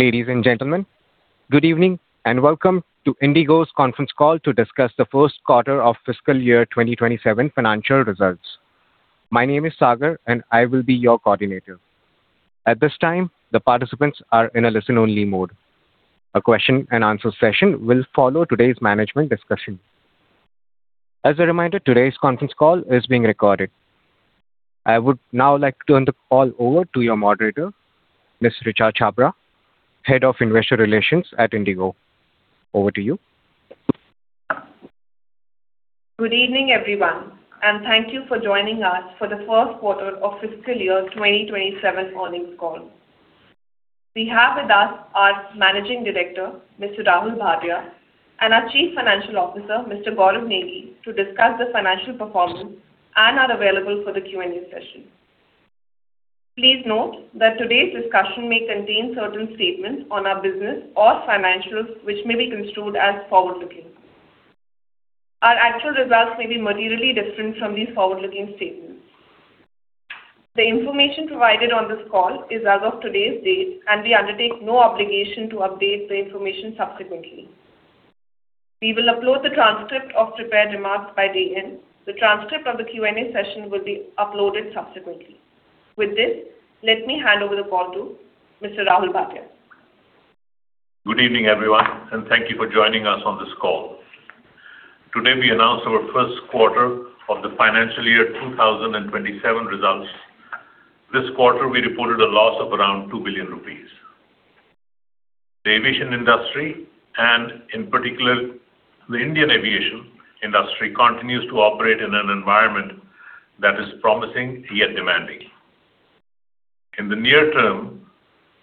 Ladies and gentlemen, good evening and welcome to IndiGo's conference call to discuss the first quarter of fiscal year 2027 financial results. My name is Sagar and I will be your coordinator. At this time, the participants are in a listen-only mode. A question and answer session will follow today's management discussion. As a reminder, today's conference call is being recorded. I would now like to turn the call over to your moderator, Ms. Richa Chhabra, Head of Investor Relations at IndiGo. Over to you. Good evening, everyone, and thank you for joining us for the first quarter of fiscal year 2027 earnings call. We have with us our Managing Director, Mr Rahul Bhatia, and our Chief Financial Officer, Mr Gaurav Negi, to discuss the financial performance and are available for the Q&A session. Please note that today's discussion may contain certain statements on our business or financials which may be construed as forward-looking. Our actual results may be materially different from these forward-looking statements. The information provided on this call is as of today's date, and we undertake no obligation to update the information subsequently. We will upload the transcript of prepared remarks by day end. The transcript of the Q&A session will be uploaded subsequently. With this, let me hand over the call to Mr Rahul Bhatia. Good evening, everyone, and thank you for joining us on this call. Today, we announce our first quarter of the financial year 2027 results. This quarter, we reported a loss of around 2 billion rupees. The aviation industry, and in particular the Indian aviation industry, continues to operate in an environment that is promising yet demanding. In the near term,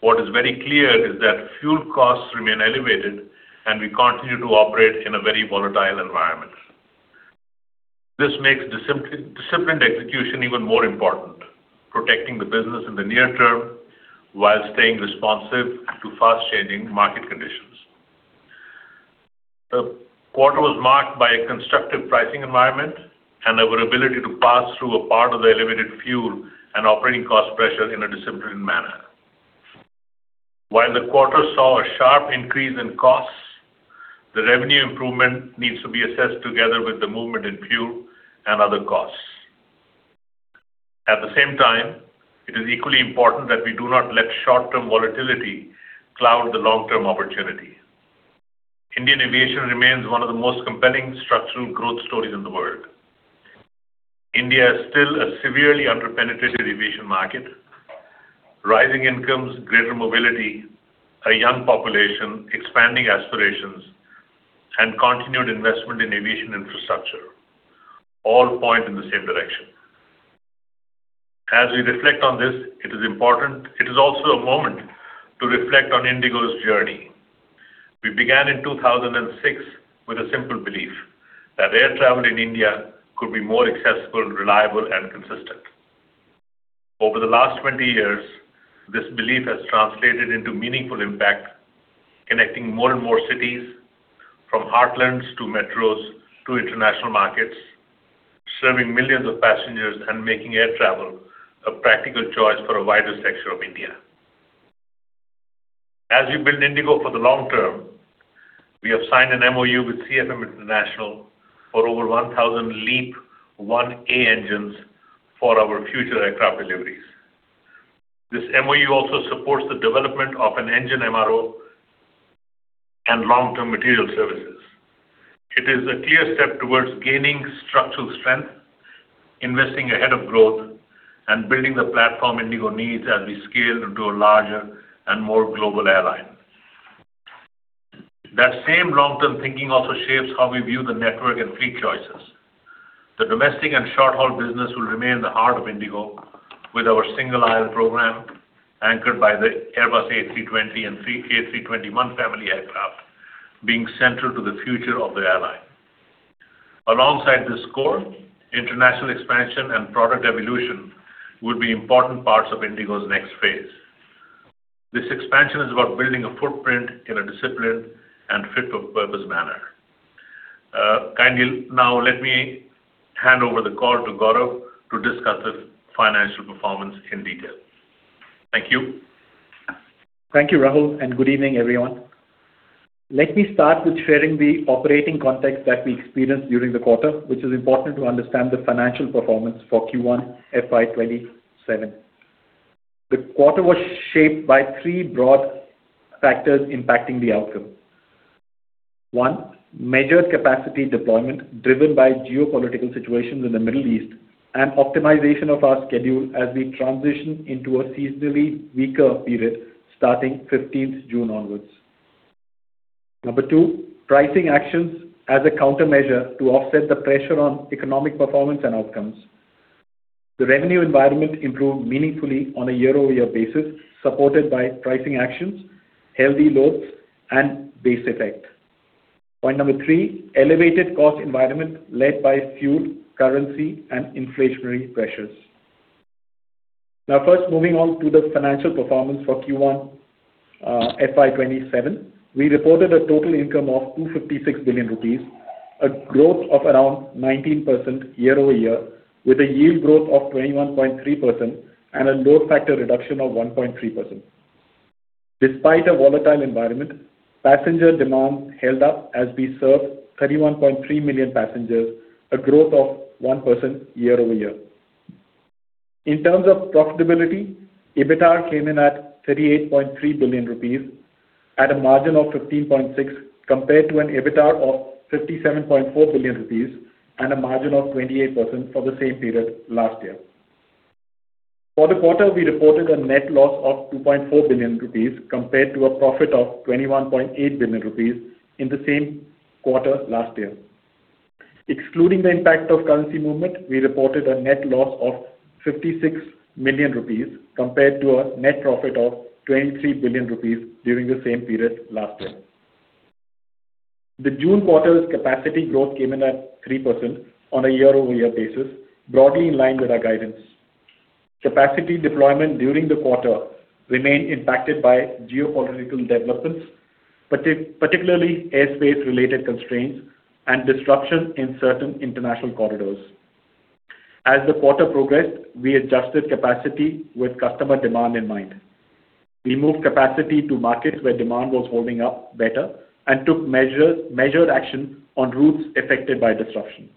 what is very clear is that fuel costs remain elevated, and we continue to operate in a very volatile environment. This makes disciplined execution even more important, protecting the business in the near term while staying responsive to fast-changing market conditions. The quarter was marked by a constructive pricing environment and our ability to pass through a part of the elevated fuel and operating cost pressure in a disciplined manner. While the quarter saw a sharp increase in costs, the revenue improvement needs to be assessed together with the movement in fuel and other costs. At the same time, it is equally important that we do not let short-term volatility cloud the long-term opportunity. Indian aviation remains one of the most compelling structural growth stories in the world. India is still a severely under-penetrated aviation market. Rising incomes, greater mobility, a young population, expanding aspirations, and continued investment in aviation infrastructure all point in the same direction. As we reflect on this, it is also a moment to reflect on IndiGo's journey. We began in 2006 with a simple belief that air travel in India could be more accessible, reliable, and consistent. Over the last 20 years, this belief has translated into meaningful impact, connecting more and more cities from heartlands to metros to international markets, serving millions of passengers and making air travel a practical choice for a wider section of India. As we build IndiGo for the long term, we have signed an MoU with CFM International for over 1,000 LEAP-1A engines for our future aircraft deliveries. This MoU also supports the development of an engine MRO and long-term material services. It is a clear step towards gaining structural strength, investing ahead of growth, and building the platform IndiGo needs as we scale to a larger and more global airline. That same long-term thinking also shapes how we view the network and fleet choices. The domestic and short-haul business will remain the heart of IndiGo with our single-aisle program anchored by the Airbus A320 and A321 family aircraft being central to the future of the airline. Alongside this core, international expansion and product evolution will be important parts of IndiGo's next phase. This expansion is about building a footprint in a disciplined and fit-for-purpose manner. Kindly now let me hand over the call to Gaurav to discuss the financial performance in detail. Thank you. Thank you, Rahul, and good evening, everyone. Let me start with sharing the operating context that we experienced during the quarter, which is important to understand the financial performance for Q1 FY 2027. The quarter was shaped by three broad factors impacting the outcome. One, measured capacity deployment driven by geopolitical situations in the Middle East and optimization of our schedule as we transition into a seasonally weaker period starting 15th June onwards. Number two, pricing actions as a countermeasure to offset the pressure on economic performance and outcomes. The revenue environment improved meaningfully on a year-over-year basis, supported by pricing actions, healthy loads, and base effect. Point number three, elevated cost environment led by fuel, currency, and inflationary pressures. First, moving on to the financial performance for Q1 FY 2027. We reported a total income of 256 billion rupees. A growth of around 19% year-over-year, with a yield growth of 21.3% and a load factor reduction of 1.3%. Despite a volatile environment, passenger demand held up as we served 31.3 million passengers, a growth of 1% year-over-year. In terms of profitability, EBITDA came in at 38.3 billion rupees at a margin of 15.6% compared to an EBITDA of 57.4 billion rupees and a margin of 28% for the same period last year. For the quarter, we reported a net loss of 2.4 billion rupees compared to a profit of 21.8 billion rupees in the same quarter last year. Excluding the impact of currency movement, we reported a net loss of 56 million rupees compared to a net profit of 23 billion rupees during the same period last year. The June quarter's capacity growth came in at 3% on a year-over-year basis, broadly in line with our guidance. Capacity deployment during the quarter remained impacted by geopolitical developments, particularly airspace-related constraints and disruptions in certain international corridors. As the quarter progressed, we adjusted capacity with customer demand in mind. We moved capacity to markets where demand was holding up better and took measured action on routes affected by disruption.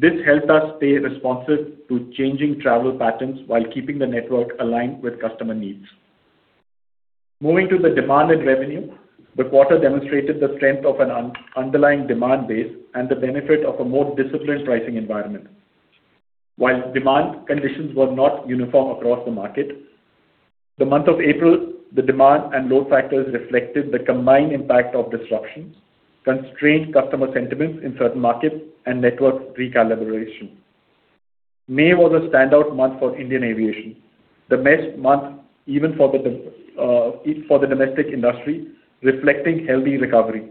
This helped us stay responsive to changing travel patterns while keeping the network aligned with customer needs. Moving to the demand and revenue, the quarter demonstrated the strength of an underlying demand base and the benefit of a more disciplined pricing environment. While demand conditions were not uniform across the market, the month of April, the demand and load factors reflected the combined impact of disruptions, constrained customer sentiments in certain markets, and network recalibration. May was a standout month for Indian aviation, the best month even for the domestic industry, reflecting healthy recovery.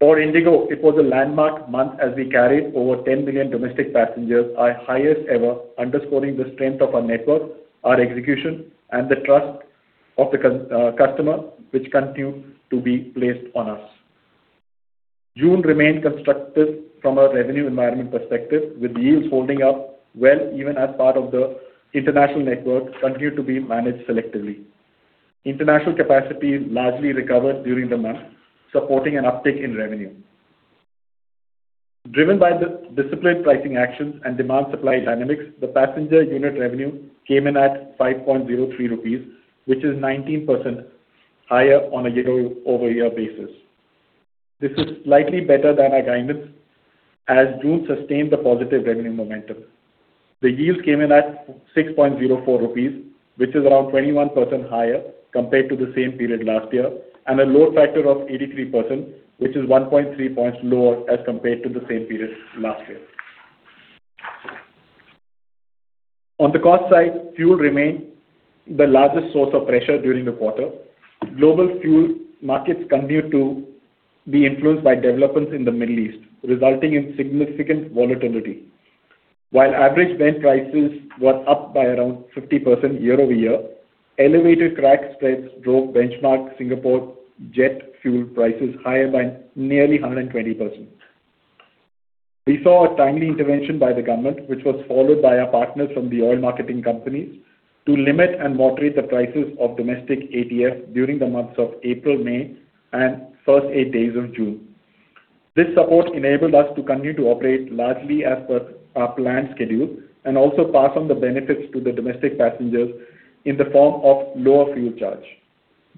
For IndiGo, it was a landmark month as we carried over 10 million domestic passengers, our highest ever, underscoring the strength of our network, our execution, and the trust of the customer, which continue to be placed on us. June remained constructive from a revenue environment perspective, with yields holding up well even as part of the international network continued to be managed selectively. International capacity largely recovered during the month, supporting an uptick in revenue. Driven by the disciplined pricing actions and demand-supply dynamics, the passenger unit revenue came in at 5.03 rupees, which is 19% higher on a year-over-year basis. This is slightly better than our guidance as June sustained the positive revenue momentum. The yields came in at 6.04 rupees, which is around 21% higher compared to the same period last year, and a load factor of 83%, which is 1.3 points lower as compared to the same period last year. On the cost side, fuel remained the largest source of pressure during the quarter. Global fuel markets continued to be influenced by developments in the Middle East, resulting in significant volatility. While average Brent prices were up by around 50% year-over-year, elevated crack spreads drove benchmark Singapore Jet fuel prices higher by nearly 120%. We saw a timely intervention by the government, which was followed by our partners from the oil marketing companies to limit and moderate the prices of domestic ATF during the months of April, May, and first eight days of June. This support enabled us to continue to operate largely as per our planned schedule and also pass on the benefits to the domestic passengers in the form of lower fuel charge.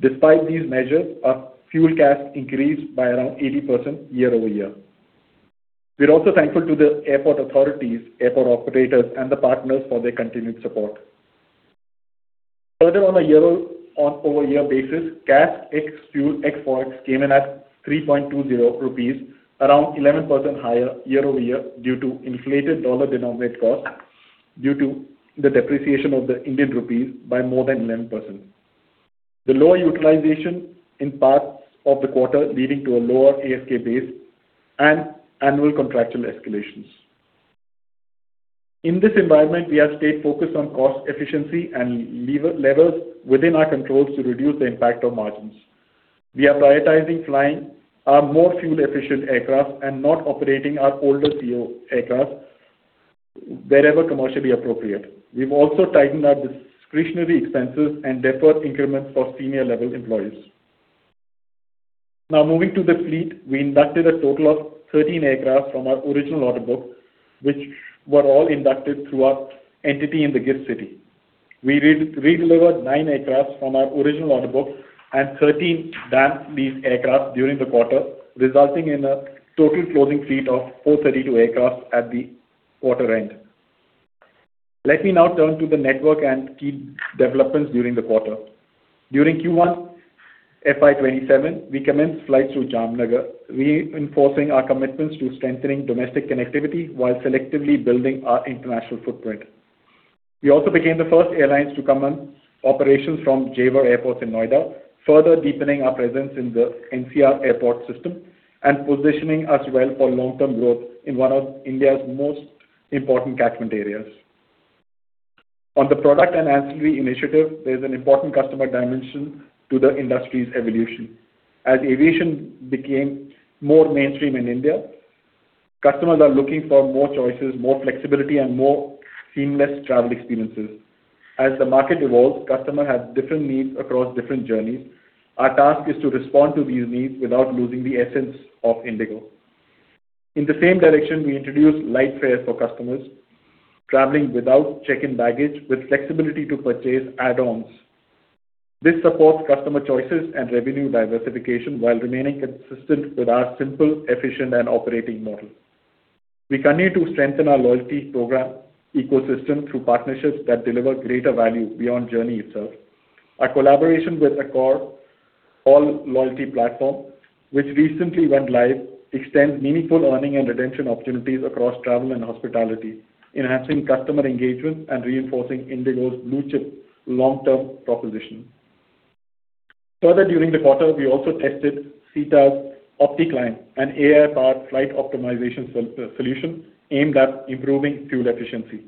Despite these measures, our fuel cost increased by around 80% year-over-year. We are also thankful to the airport authorities, airport operators and the partners for their continued support. Further, on a year-over-year basis, CASK ex-fuel, ex-forex came in at 3.20 rupees, around 11% higher year-over-year due to inflated dollar-denominated cost due to the depreciation of the Indian rupee by more than 11%. The lower utilization in parts of the quarter leading to a lower ASK base and annual contractual escalations. In this environment, we have stayed focused on cost efficiency and levers within our controls to reduce the impact on margins. We are prioritizing flying our more fuel-efficient aircraft and not operating our older CEO aircraft wherever commercially appropriate. We've also tightened our discretionary expenses and deferred increments for senior-level employees. Now moving to the fleet, we inducted a total of 13 aircraft from our original order book, which were all inducted through our entity in the GIFT City. We redelivered nine aircraft from our original order book and 13 leased aircraft during the quarter, resulting in a total closing fleet of 432 aircraft at the quarter end. Let me now turn to the network and key developments during the quarter. During Q1 FY 2027, we commenced flights to Jamnagar, reinforcing our commitments to strengthening domestic connectivity while selectively building our international footprint. We also became the first airlines to commence operations from Jewar Airport in Noida, further deepening our presence in the NCR airport system and positioning us well for long-term growth in one of India's most important catchment areas. On the product and ancillary initiatives, there is an important customer dimension to the industry's evolution. As aviation became more mainstream in India, customers are looking for more choices, more flexibility, and more seamless travel experiences. As the market evolves, customers have different needs across different journeys. Our task is to respond to these needs without losing the essence of IndiGo. In the same direction, we introduced Lite Fare for customers traveling without check-in baggage, with flexibility to purchase add-ons. This supports customer choices and revenue diversification while remaining consistent with our simple, efficient, and operating model. We continue to strengthen our loyalty program ecosystem through partnerships that deliver greater value beyond journey itself. Our collaboration with Accor ALL loyalty platform, which recently went live, extends meaningful earning and retention opportunities across travel and hospitality, enhancing customer engagement and reinforcing IndiGo BluChip long-term proposition. Further during the quarter, we also tested SITA's OptiClimb, an AI-powered flight optimization solution aimed at improving fuel efficiency.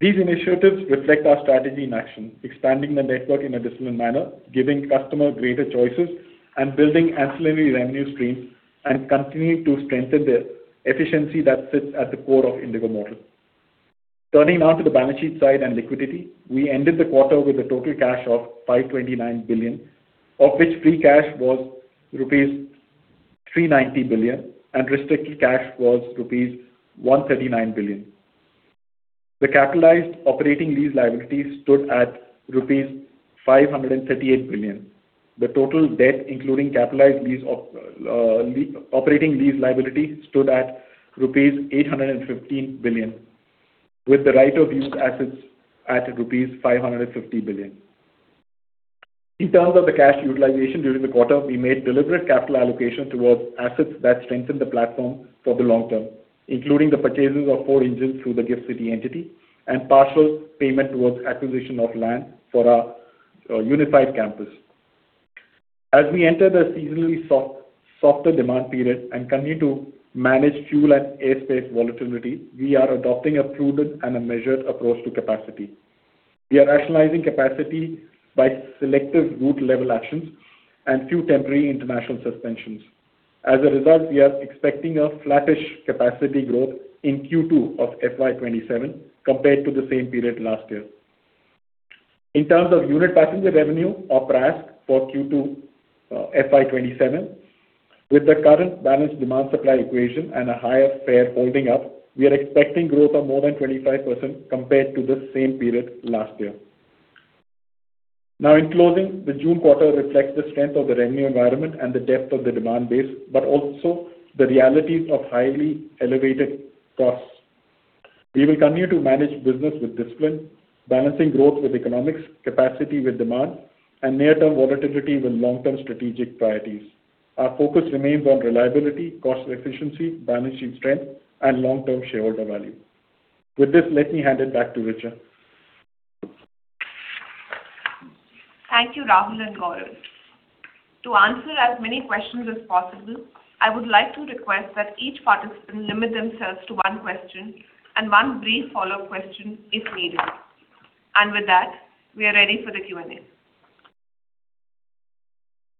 These initiatives reflect our strategy in action, expanding the network in a disciplined manner, giving customers greater choices, and building ancillary revenue streams, and continuing to strengthen the efficiency that sits at the core of IndiGo model. Turning now to the balance sheet side and liquidity. We ended the quarter with a total cash of 529 billion, of which free cash was rupees 390 billion, and restricted cash was rupees 139 billion. The capitalized operating lease liabilities stood at rupees 538 billion. The total debt, including capitalized operating lease liability, stood at rupees 815 billion with the right of use assets at rupees 550 billion. In terms of the cash utilization during the quarter, we made deliberate capital allocation towards assets that strengthen the platform for the long term, including the purchases of four engines through the GIFT City entity and partial payment towards acquisition of land for our unified campus. As we enter the seasonally softer demand period and continue to manage fuel and airspace volatility, we are adopting a prudent and a measured approach to capacity. We are rationalizing capacity by selective route-level actions and few temporary international suspensions. As a result, we are expecting a flattish capacity growth in Q2 of FY 2027 compared to the same period last year. In terms of unit passenger revenue or PRASK for Q2 FY 2027, with the current balanced demand-supply equation and a higher fare holding up, we are expecting growth of more than 25% compared to the same period last year. In closing, the June quarter reflects the strength of the revenue environment and the depth of the demand base, but also the realities of highly elevated costs. We will continue to manage business with discipline, balancing growth with economics, capacity with demand, and near-term volatility with long-term strategic priorities. Our focus remains on reliability, cost efficiency, balance sheet strength, and long-term shareholder value. With this, let me hand it back to Richa. Thank you, Rahul and Gaurav. To answer as many questions as possible, I would like to request that each participant limit themselves to one question and one brief follow-up question if needed. With that, we are ready for the Q&A.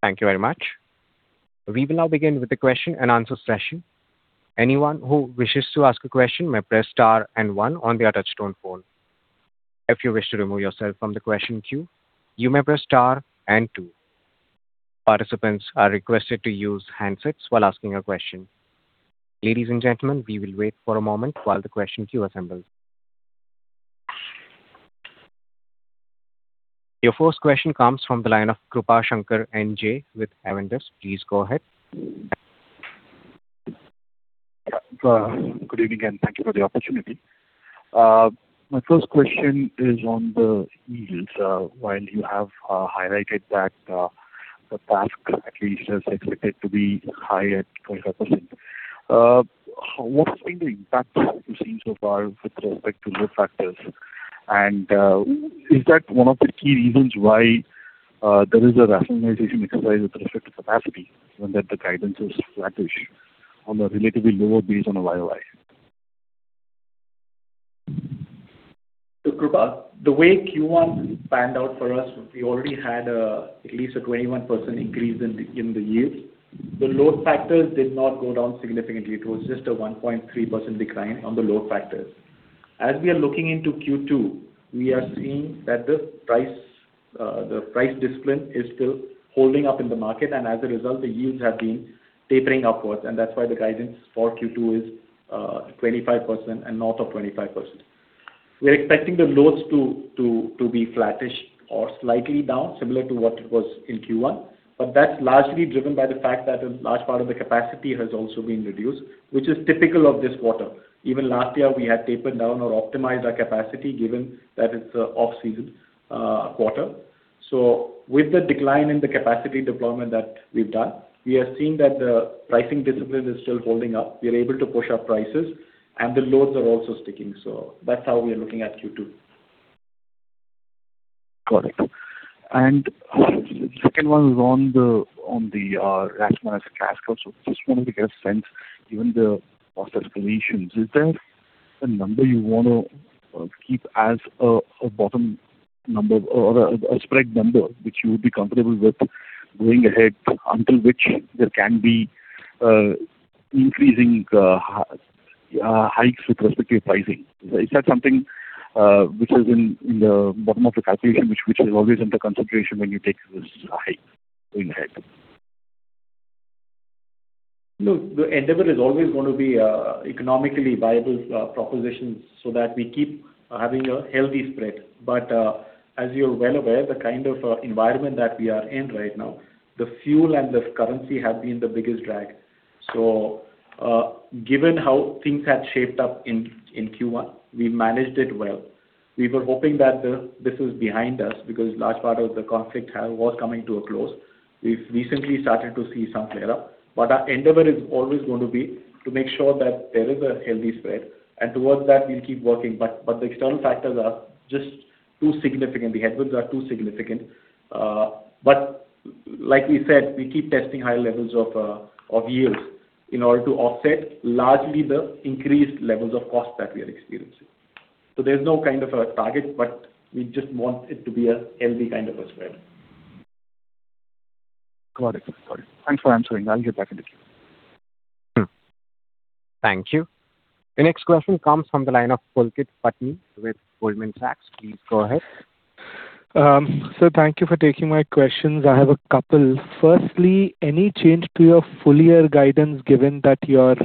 Thank you very much. We will now begin with the question and answer session. Anyone who wishes to ask a question may press star and one on their touchtone phone. If you wish to remove yourself from the question queue, you may press star and two. Participants are requested to use handsets while asking a question. Ladies and gentlemen, we will wait for a moment while the question queue assembles. Your first question comes from the line of Krupa Shankar NJ with Avendus. Please go ahead. Good evening, thank you for the opportunity. My first question is on the yields. While you have highlighted that the PRASK at least is expected to be high at 25%, what has been the impact that you've seen so far with respect to load factors? Is that one of the key reasons why there is a rationalization exercise with respect to capacity when that the guidance is flattish on a relatively lower base on a YOY? Krupa, the way Q1 panned out for us, we already had at least a 21% increase in the yields. The load factors did not go down significantly. It was just a 1.3% decline on the load factors. As we are looking into Q2, we are seeing that the price discipline is still holding up in the market, and as a result, the yields have been tapering upwards, and that's why the guidance for Q2 is 25% and north of 25%. We are expecting the loads to be flattish or slightly down, similar to what it was in Q1, but that's largely driven by the fact that a large part of the capacity has also been reduced, which is typical of this quarter. Even last year, we had tapered down or optimized our capacity, given that it's an off-season quarter. With the decline in the capacity deployment that we've done, we are seeing that the pricing discipline is still holding up. We are able to push up prices, and the loads are also sticking. That's how we are looking at Q2. Got it. The second one is on the RASK minus CASK. Just wanted to get a sense, given the cost escalations, is there a number you want to keep as a bottom number or a spread number, which you would be comfortable with going ahead until which there can be increasing hikes with respect to your pricing? Is that something which is in the bottom of the calculation, which is always under consideration when you take this hike going ahead? Look, the endeavor is always going to be economically viable propositions so that we keep having a healthy spread. As you're well aware, the kind of environment that we are in right now, the fuel and the currency have been the biggest drag. Given how things had shaped up in Q1, we managed it well. We were hoping that this is behind us because large part of the conflict was coming to a close. We've recently started to see some clear up, our endeavor is always going to be to make sure that there is a healthy spread, and towards that we'll keep working. The external factors are just too significant. The headwinds are too significant. Like we said, we keep testing high levels of yields in order to offset largely the increased levels of cost that we are experiencing. There's no kind of a target, but we just want it to be a healthy kind of a spread. Got it. Thanks for answering. I'll get back in the queue. Thank you. The next question comes from the line of Pulkit Patni with Goldman Sachs. Please go ahead. Sir, thank you for taking my questions. I have a couple. Firstly, any change to your full-year guidance given that your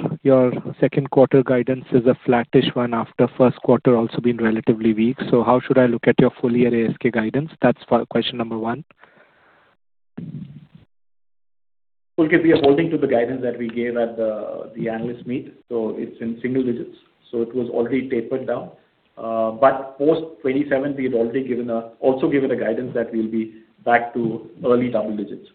second quarter guidance is a flattish one after first quarter also been relatively weak? How should I look at your full-year ASK guidance? That's question number one. Pulkit, we are holding to the guidance that we gave at the analyst meet. It's in single digits, so it was already tapered down. Post 27th, we had also given a guidance that we'll be back to early double digits.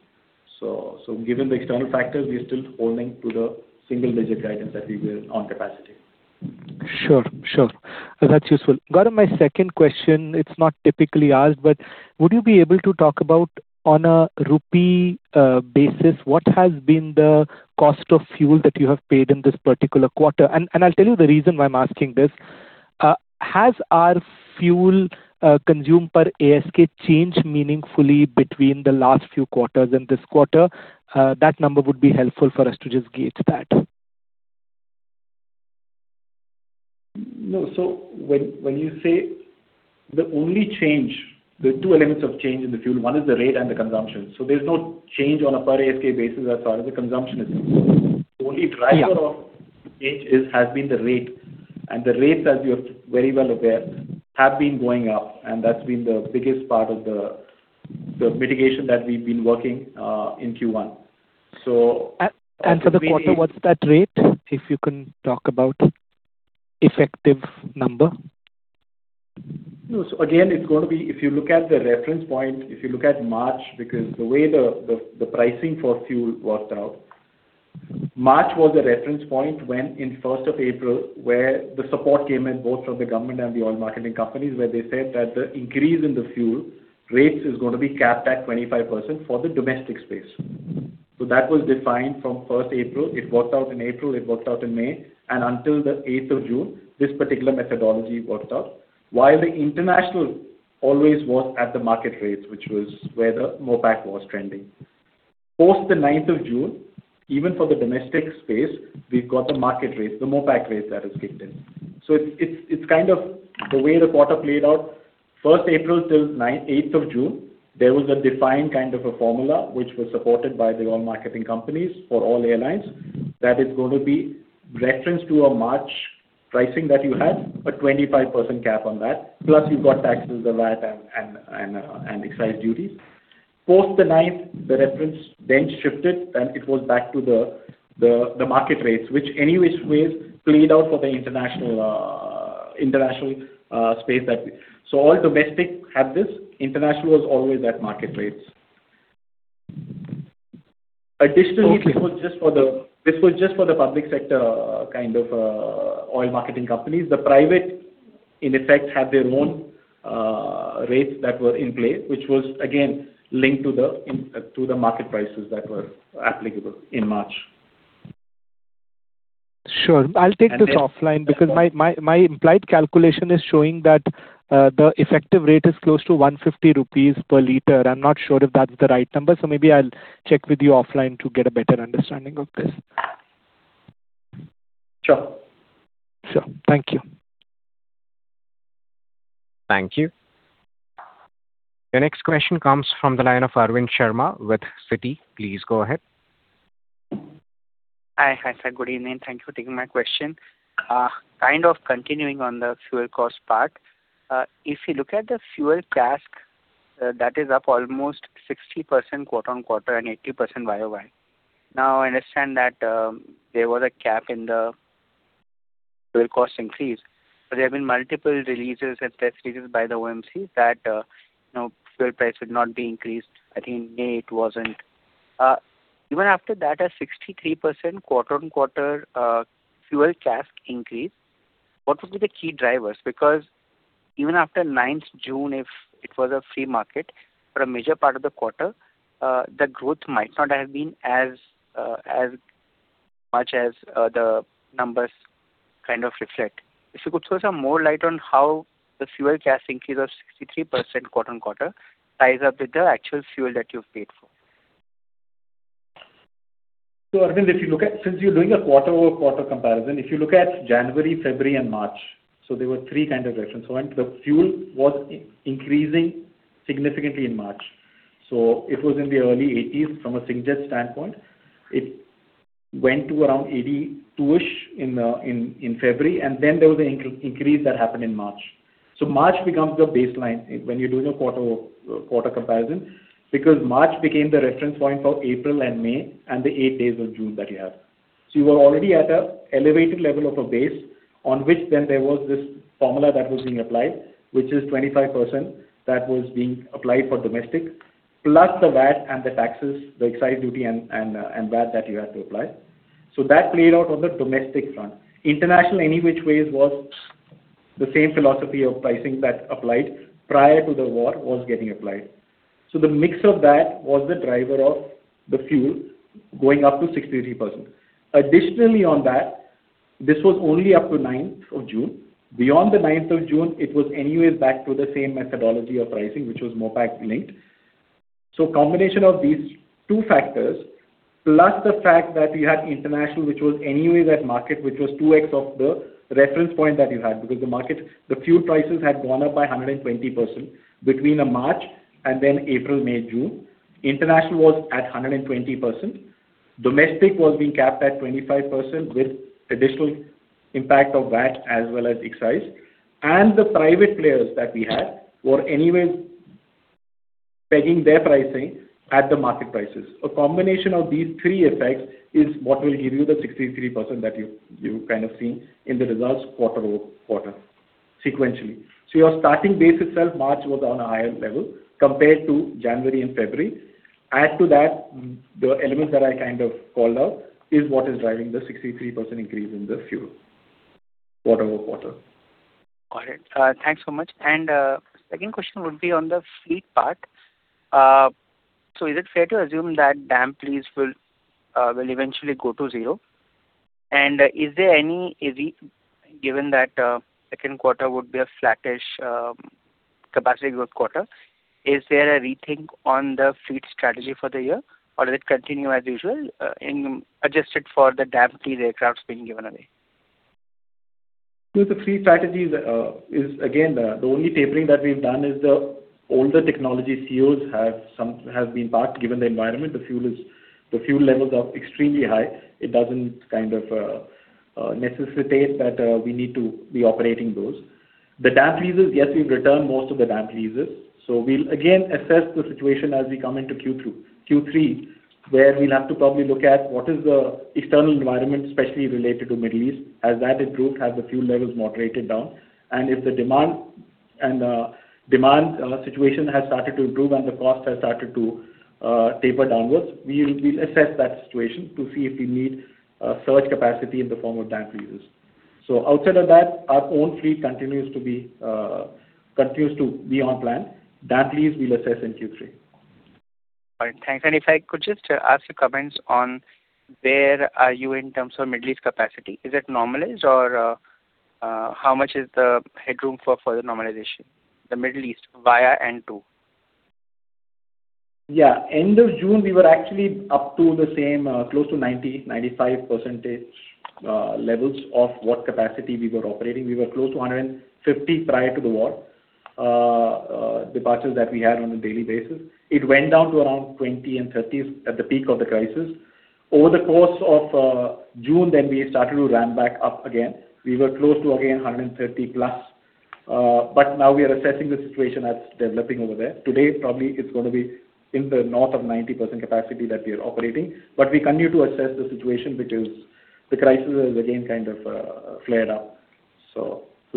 Given the external factors, we are still holding to the single-digit guidance that we were on capacity. Sure. That's useful. Gaurav, my second question, it's not typically asked, but would you be able to talk about on an INR basis, what has been the cost of fuel that you have paid in this particular quarter? I'll tell you the reason why I'm asking this. Has our fuel consumption per ASK changed meaningfully between the last few quarters and this quarter? That number would be helpful for us to just gauge that. No. When you say the only change, there are two elements of change in the fuel. One is the rate and the consumption. There's no change on a per ASK basis as far as the consumption is concerned. The only driver of change has been the rate, and the rates, as you're very well aware, have been going up, and that's been the biggest part of the mitigation that we've been working in Q1. For the quarter, what's that rate? If you can talk about effective number. No. Again, if you look at the reference point, if you look at March, because the way the pricing for fuel worked out, March was a reference point when in 1st April, where the support came in both from the government and the oil marketing companies, where they said that the increase in the fuel rates is going to be capped at 25% for the domestic space. That was defined from 1st April. It worked out in April, it worked out in May, and until the 8th June, this particular methodology worked out, while the international always was at the market rates, which was where the MOPS was trending. Post the 9th June, even for the domestic space, we've got the market rates, the MOPS rates that has kicked in. It's kind of the way the quarter played out. 1st April till 8th June, there was a defined kind of a formula which was supported by the oil marketing companies for all airlines that is going to be reference to a March pricing that you had, a 25% cap on that, plus you've got taxes, the VAT and excise duties. Post the 9th, the reference bench shifted. It was back to the market rates, which anyways played out for the international space. All domestic had this. International was always at market rates. Okay This was just for the public sector kind of oil marketing companies. The private, in effect, had their own rates that were in play, which was again linked to the market prices that were applicable in March. Sure. I'll take this offline because my implied calculation is showing that the effective rate is close to 150 rupees per liter. I'm not sure if that's the right number, maybe I'll check with you offline to get a better understanding of this. Sure. Sure. Thank you. Thank you. The next question comes from the line of Arvind Sharma with Citi. Please go ahead. Hi. Hi, sir. Good evening. Thank you for taking my question. Kind of continuing on the fuel cost part. If you look at the fuel CASK, that is up almost 60% quarter-on-quarter and 80% YOY. Now, I understand that there was a cap in the fuel cost increase, but there have been multiple releases and test releases by the OMC that fuel price would not be increased. I think May it wasn't. Even after that, a 63% quarter-on-quarter fuel CASK increase Because even after 9th June, if it was a free market for a major part of the quarter, the growth might not have been as much as the numbers kind of reflect. If you could throw some more light on how the fuel cost increase of 63% quarter-on-quarter ties up with the actual fuel that you've paid for. Arvind, since you're doing a quarter-over-quarter comparison, if you look at January, February, and March, there were three reference points. The fuel was increasing significantly in March. It was in the early 80s from a Singapore Jet standpoint. It went to around 82 in February, and then there was an increase that happened in March. March becomes the baseline when you're doing a quarter comparison, because March became the reference point for April and May and the eight days of June that you have. You were already at an elevated level of a base on which then there was this formula that was being applied, which is 25%, that was being applied for domestic, plus the VAT and the taxes, the excise duty and VAT that you had to apply. That played out on the domestic front. International, any which ways, was the same philosophy of pricing that applied prior to the war was getting applied. The mix of that was the driver of the fuel going up to 63%. Additionally on that, this was only up to 9th of June. Beyond the 9th of June, it was anyways back to the same methodology of pricing, which was MOPS linked. Combination of these two factors, plus the fact that you had international, which was anyway that market, which was 2x of the reference point that you had because the fuel prices had gone up by 120% between March and then April, May, June. International was at 120%. Domestic was being capped at 25% with additional impact of VAT as well as excise. The private players that we had were anyway pegging their pricing at the market prices. A combination of these three effects is what will give you the 63% that you've seen in the results quarter-over-quarter sequentially. Your starting base itself, March, was on a higher level compared to January and February. Add to that, the elements that I called out is what is driving the 63% increase in the fuel quarter-over-quarter. Got it. Thanks so much. Second question would be on the fleet part. Is it fair to assume that damp lease will eventually go to zero? Given that second quarter would be a flattish capacity growth quarter, is there a rethink on the fleet strategy for the year? Or does it continue as usual, adjusted for the damp leased aircraft being given away? The fleet strategy is, again, the only tapering that we've done is the older technology CEOs have been parked given the environment. The fuel levels are extremely high. It doesn't kind of necessitate that we need to be operating those. The damp leases, yes, we've returned most of the damp leases. We'll again assess the situation as we come into Q3, where we'll have to probably look at what is the external environment, especially related to Middle East, as that improves, as the fuel levels moderated down. If the demand situation has started to improve and the cost has started to taper downwards, we'll assess that situation to see if we need surge capacity in the form of damp leases. Outside of that, our own fleet continues to be on plan. Damp lease we'll assess in Q3. All right, thanks. If I could just ask your comments on where are you in terms of Middle East capacity? Is it normalized or how much is the headroom for further normalization? The Middle East via Q2. End of June, we were actually up to the same, close to 90%, 95% levels of what capacity we were operating. We were close to 150 prior to the war, departures that we had on a daily basis. It went down to around 20 and 30 at the peak of the crisis. Over the course of June we started to ramp back up again. We were close to, again, 130+. Now we are assessing the situation as developing over there. Today, probably it's going to be in the north of 90% capacity that we are operating. We continue to assess the situation because the crisis has again kind of flared up.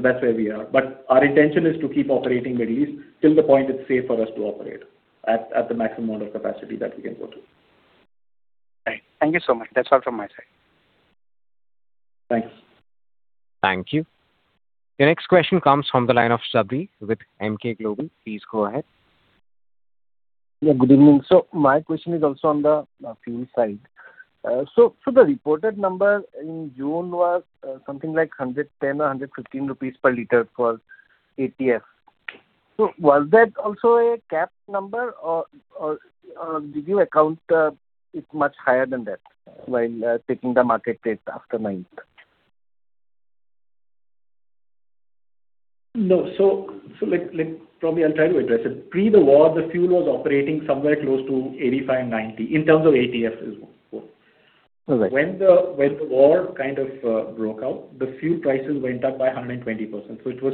That's where we are. Our intention is to keep operating Middle East till the point it's safe for us to operate at the maximum order capacity that we can go to. Right. Thank you so much. That's all from my side. Thanks. Thank you. The next question comes from the line of Sabri with Emkay Global. Please go ahead. Yeah, good evening. My question is also on the fuel side. The reported number in June was something like 110 or 115 rupees per liter for ATF. Was that also a capped number or did you account it much higher than that while taking the market rate after ninth? No. Probably I'll try to address it. Pre the war, the fuel was operating somewhere close to 85, 90 in terms of ATF as well. Okay. When the war kind of broke out, the fuel prices went up by 120%. Singapore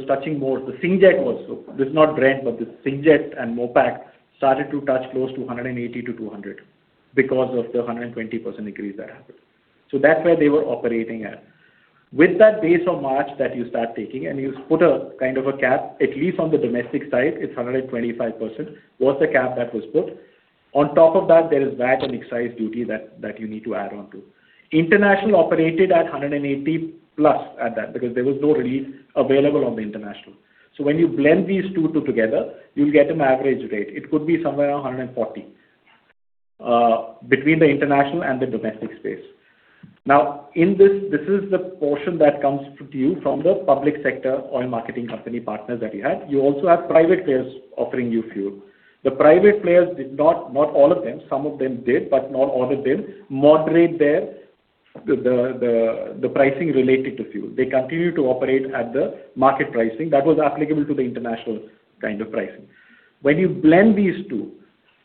Jet and MOPS started to touch close to 180-200 because of the 120% increase that happened. That's where they were operating at. With that base of March that you start taking, and you put a kind of a cap, at least on the domestic side, it's 125%, was the cap that was put. On top of that, there is VAT and excise duty that you need to add on to. International operated at 180 plus at that, because there was no relief available on the international. When you blend these two together, you'll get an average rate. It could be somewhere around 140 between the international and the domestic space. This is the portion that comes to you from the public sector oil marketing company partners that we had. You also have private players offering you fuel. The private players, not all of them, some of them did, but not all of them moderated the pricing related to fuel. They continued to operate at the market pricing that was applicable to the international kind of pricing. When you blend these two,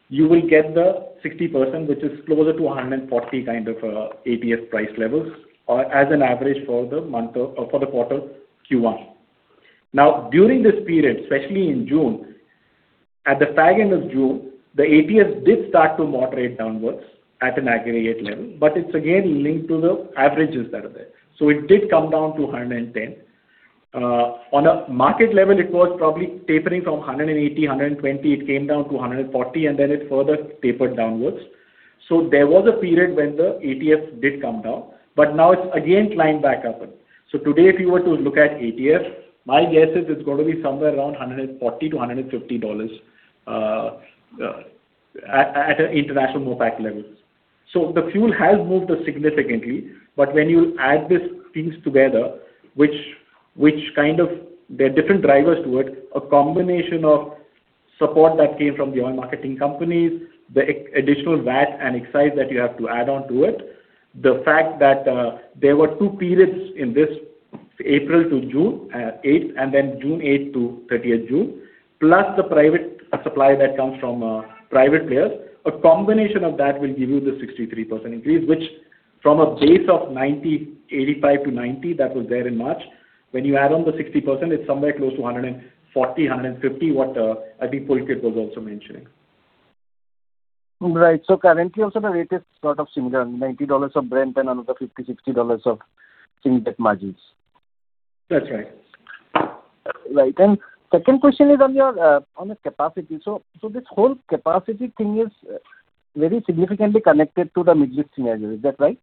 you will get the 60%, which is closer to 140 kind of ATF price levels or as an average for the quarter Q1. During this period, especially in June, at the fag end of June, the ATF did start to moderate downwards at an aggregate level, but it's again linked to the averages that are there. It did come down to 110. On a market level, it was probably tapering from 180, 120, it came down to 140, and then it further tapered downwards. There was a period when the ATF did come down, but now it's again climbed back upward. Today, if you were to look at ATF, my guess is it's going to be somewhere around $140-$150 at an international MOPS level. The fuel has moved significantly. When you add these things together, there are different drivers to it, a combination of support that came from the oil marketing companies, the additional VAT and excise that you have to add on to it. The fact that there were two periods in this April to June 8, and then June 8 to June 30, plus the private supply that comes from private players. A combination of that will give you the 63% increase, which from a base of 85-90 that was there in March, when you add on the 60%, it's somewhere close to 140, 150, what I think Pulkit was also mentioning. Right. Currently also the rate is sort of similar, $90 of Brent and another $50, $60 of thing that margins. That's right. Right. Second question is on your capacity. This whole capacity thing is very significantly connected to the Middle East synergy. Is that right?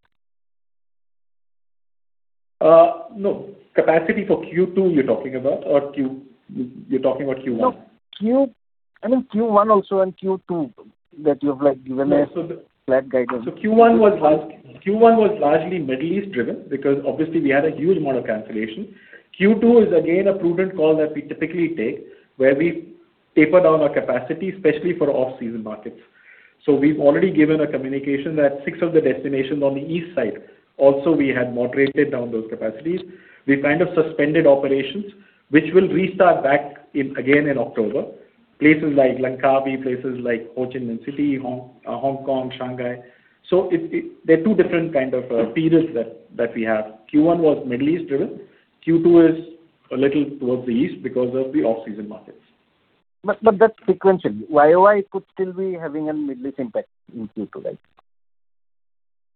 No. Capacity for Q2 you're talking about? You're talking about Q1? No. I mean Q1 also and Q2 that you have given a flat guidance. Q1 was largely Middle East driven because obviously we had a huge amount of cancellation. Q2 is again a prudent call that we typically take where we taper down our capacity, especially for off-season markets. We've already given a communication that six of the destinations on the east side also we had moderated down those capacities. We've kind of suspended operations, which will restart back again in October. Places like Langkawi, places like Ho Chi Minh City, Hong Kong, Shanghai. There are two different kind of periods that we have. Q1 was Middle East driven. Q2 is a little towards the east because of the off-season markets. That's sequentially. YoY could still be having a Middle East impact in Q2, right?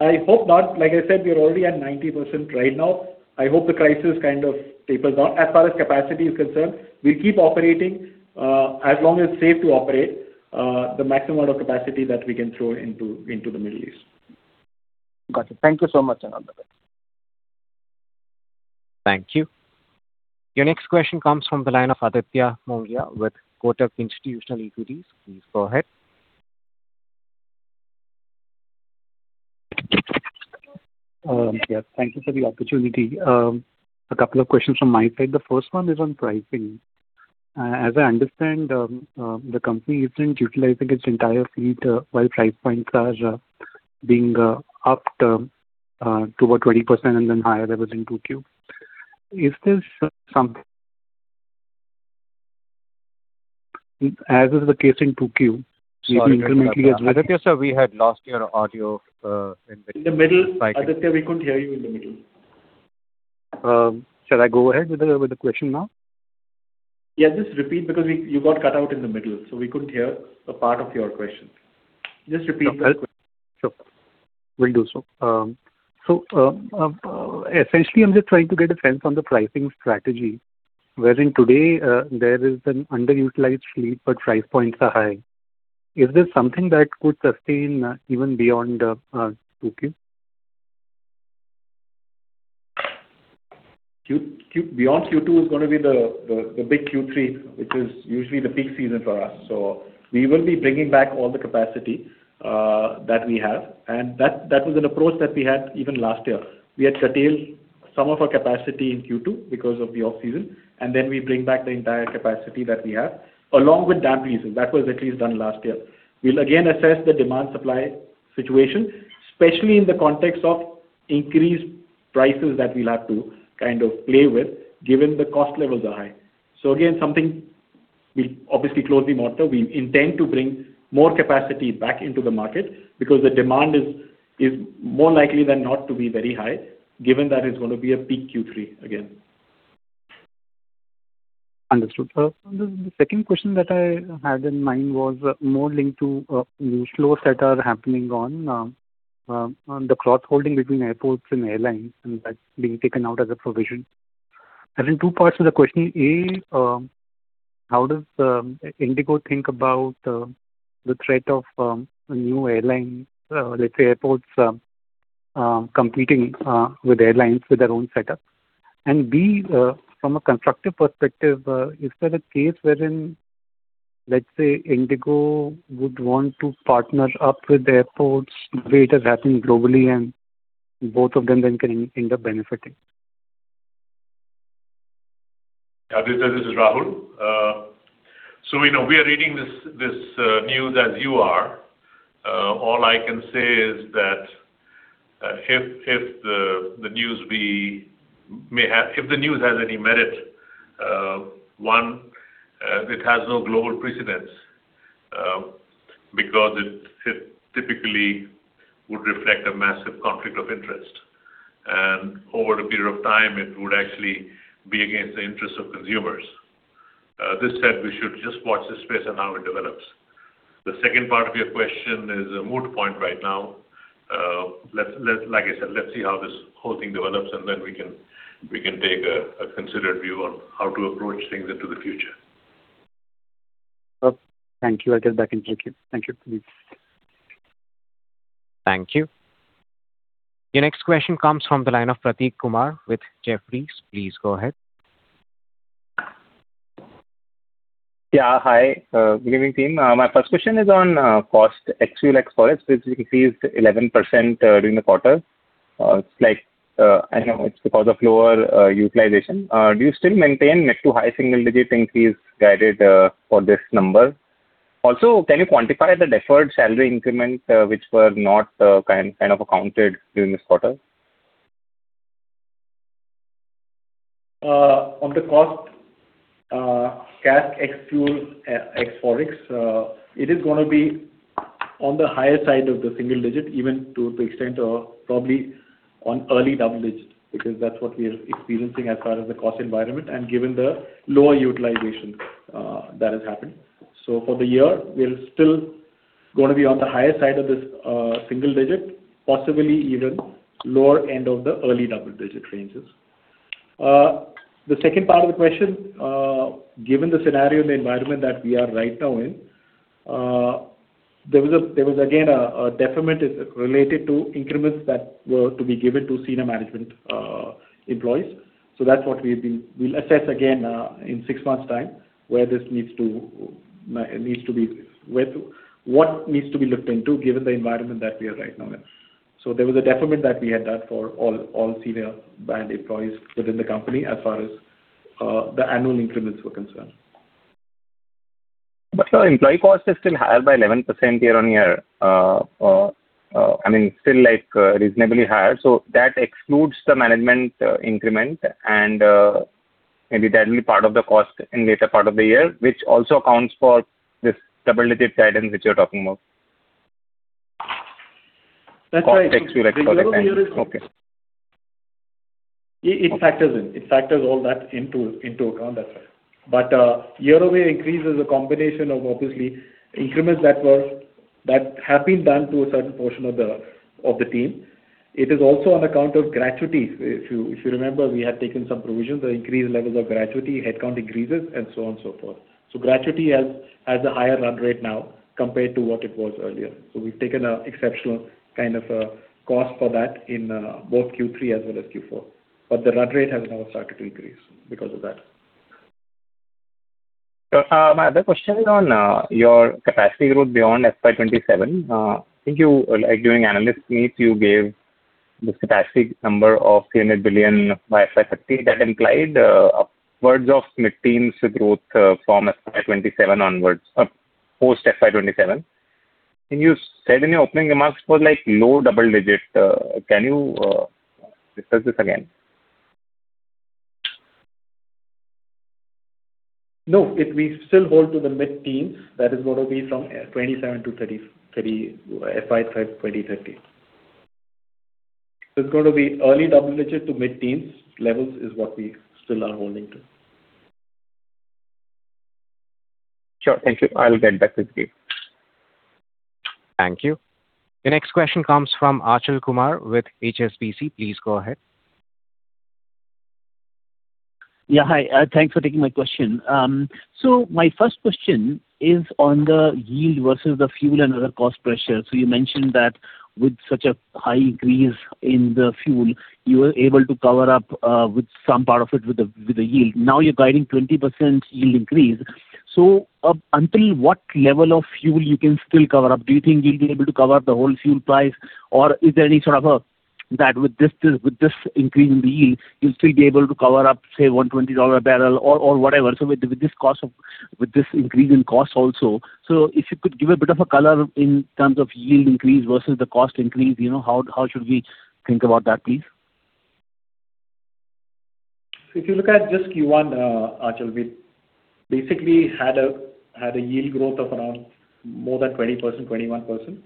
I hope not. Like I said, we're already at 90% right now. I hope the crisis kind of tapers off. As far as capacity is concerned, we'll keep operating, as long as it's safe to operate, the maximum amount of capacity that we can throw into the Middle East. Got it. Thank you so much, and all the best. Thank you. Your next question comes from the line of Aditya Mongia with Kotak Institutional Equities. Please go ahead. Yes, thank you for the opportunity. A couple of questions from my side. The first one is on pricing. As I understand, the company isn't utilizing its entire fleet while price points are being upped to about 20% and then higher levels in 2Q. Is this something-- As is the case in 2Q, we've been incrementally- Sorry, Aditya, sir, we had lost your audio in the- In the middle. Aditya, we couldn't hear you in the middle. Shall I go ahead with the question now? Yeah. Just repeat because you got cut out in the middle. We couldn't hear a part of your question. Just repeat the question. Sure. Will do so. Essentially, I'm just trying to get a sense on the pricing strategy. Wherein today there is an underutilized fleet, but price points are high. Is this something that could sustain even beyond 2Q? Beyond Q2 is going to be the big Q3, which is usually the peak season for us. We will be bringing back all the capacity that we have, and that was an approach that we had even last year. We had curtailed some of our capacity in Q2 because of the off-season, and then we bring back the entire capacity that we have, along with damp leasing. That was at least done last year. We'll again assess the demand-supply situation, especially in the context of increased prices that we'll have to kind of play with given the cost levels are high. Again, something we'll obviously closely monitor. We intend to bring more capacity back into the market because the demand is more likely than not to be very high, given that it's going to be a peak Q3 again. Understood, sir. The second question that I had in mind was more linked to laws that are happening on the cross-holding between airports and airlines, and that's being taken out as a provision. I think two parts to the question. A. How does IndiGo think about the threat of a new airline, let's say airports competing with airlines with their own setup? B. From a constructive perspective, is there a case wherein, let's say, IndiGo would want to partner up with the airports the way it has happened globally and both of them then can end up benefiting? Aditya, this is Rahul. We are reading this news as you are. All I can say is that if the news has any merit, one, it has no global precedence, because it typically would reflect a massive conflict of interest, and over a period of time, it would actually be against the interest of consumers. This said, we should just watch this space and how it develops. The second part of your question is a moot point right now. Like I said, let's see how this whole thing develops, then we can take a considered view on how to approach things into the future. Sure. Thank you. I'll get back in queue. Thank you. Thank you. Your next question comes from the line of Prateek Kumar with Jefferies. Please go ahead. Hi. Good evening team. My first question is on cost ex-fuel, ex-forex, which decreased 11% during the quarter. It's like, I know it's because of lower utilization. Do you still maintain next to high single-digit increase guided for this number? Also, can you quantify the deferred salary increment, which were not accounted during this quarter? On the cost, CASK ex-fuel, ex-forex, it is going to be on the higher side of the single digit, even to the extent of probably on early double digit. That's what we are experiencing as far as the cost environment and given the lower utilization that has happened. For the year, we're still going to be on the higher side of this single digit, possibly even lower end of the early double-digit ranges. The second part of the question, given the scenario and the environment that we are right now in, there was again, a deferment related to increments that were to be given to senior management employees. That's what we'll assess again in six months' time, what needs to be looked into given the environment that we are right now in. There was a deferment that we had done for all senior band employees within the company as far as the annual increments were concerned. Employee cost is still higher by 11% year-on-year. I mean, still reasonably higher. That excludes the management increment, and maybe that'll be part of the cost in later part of the year, which also accounts for this double-digit guidance which you're talking about. That's right. Cost ex-fuel, ex-forex. Okay. It factors in. It factors all that into account. That's right. Year-over-year increase is a combination of obviously increments that have been done to a certain portion of the team. It is also on account of gratuity. If you remember, we had taken some provisions, the increased levels of gratuity, headcount increases, and so on and so forth. Gratuity has a higher run rate now compared to what it was earlier. We've taken an exceptional kind of a cost for that in both Q3 as well as Q4. The run rate has now started to increase because of that. Sure. My other question is on your capacity growth beyond FY 2027. I think during analyst meet, you gave this capacity number of 100 billion by FY 2030. That implied upwards of mid-teens growth from FY 2027 onwards, post FY 2027. You said in your opening remarks it was low double digits. Can you discuss this again? No, we still hold to the mid-teens. That is going to be from FY 2027 to FY 2030. It's going to be early double digits to mid-teens levels is what we still are holding to. Sure. Thank you. I'll get back with you. Thank you. The next question comes from Achal Kumar with HSBC. Please go ahead. Yeah. Hi. Thanks for taking my question. My first question is on the yield versus the fuel and other cost pressure. You mentioned that with such a high increase in the fuel, you were able to cover up with some part of it with the yield. Now you're guiding 20% yield increase. Until what level of fuel you can still cover up? Do you think you'll be able to cover up the whole fuel price, or is there any sort of a, that with this increase in yield, you'll still be able to cover up, say, $120 a barrel or whatever. With this increase in cost also. If you could give a bit of a color in terms of yield increase versus the cost increase, how should we think about that, please? If you look at just Q1, Achal, we basically had a yield growth of around more than 20%, 21%.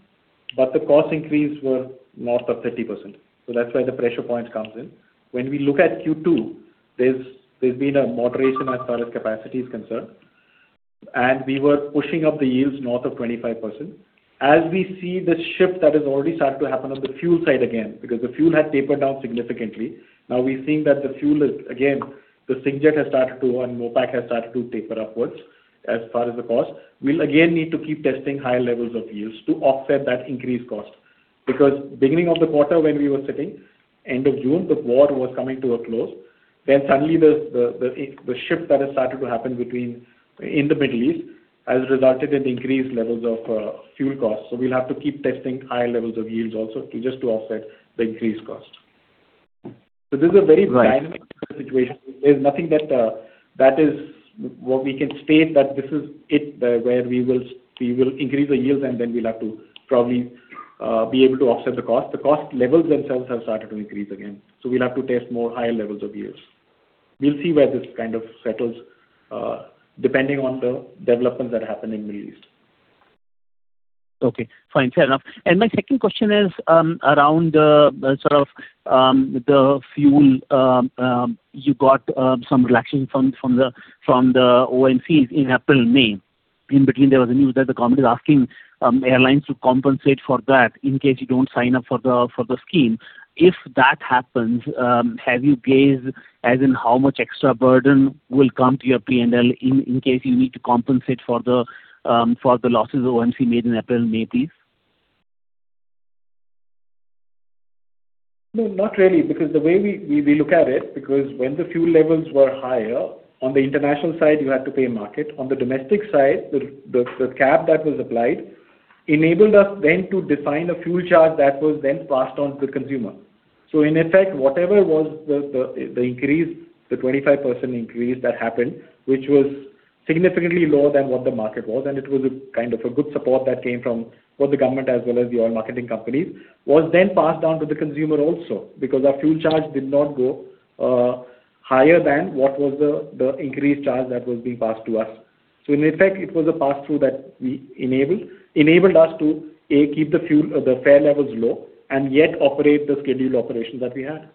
The cost increase were north of 30%. That's why the pressure point comes in. When we look at Q2, there's been a moderation as far as capacity is concerned. We were pushing up the yields north of 25%. As we see the shift that has already started to happen on the fuel side again, because the fuel had tapered down significantly. Now we're seeing that the fuel is, again, the Singapore Jet has started to, and MOPS has started to taper upwards as far as the cost. We'll again need to keep testing high levels of yields to offset that increased cost. Beginning of the quarter when we were sitting, end of June, the war was coming to a close, then suddenly the shift that has started to happen in the Middle East has resulted in increased levels of fuel costs. We'll have to keep testing high levels of yields also just to offset the increased cost. This is a very dynamic situation. There's nothing that is what we can state that this is it, where we will increase the yields and then we'll have to probably be able to offset the cost. The cost levels themselves have started to increase again. We'll have to test more higher levels of yields. We'll see where this kind of settles, depending on the developments that happen in Middle East. Okay, fine. Fair enough. My second question is around the fuel. You got some relaxation from the OMCs in April, May. In between, there was a news that the government is asking airlines to compensate for that in case you don't sign up for the scheme. If that happens, have you, as in how much extra burden will come to your P&L in case you need to compensate for the losses the OMCs made in April/May, please? No, not really, because the way we look at it, because when the fuel levels were higher, on the international side, you had to pay market. On the domestic side, the cap that was applied enabled us then to define a fuel charge that was then passed on to the consumer. In effect, whatever was the increase, the 25% increase that happened, which was significantly lower than what the market was, and it was a kind of a good support that came from both the government as well as the oil marketing companies, was then passed on to the consumer also, because our fuel charge did not go higher than what was the increased charge that was being passed to us. In effect, it was a pass-through that we enabled. Enabled us to, A, keep the fare levels low and yet operate the scheduled operations that we had.